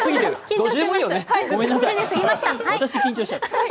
どっちでもいいよね！